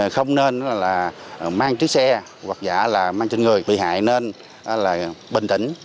không nên là mang chiếc xe hoặc giả là mang trên người bị hại nên là bình tĩnh